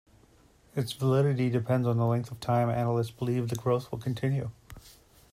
Its validity depends on the length of time analysts believe the growth will continue.